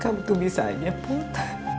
kamu tuh bisa aja put